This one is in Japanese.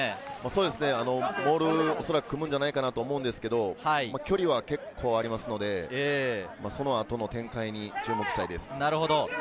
モールを恐らく、組むのではないかなと思うんですが、距離は結構ありますので、その後の展開に注目したいです。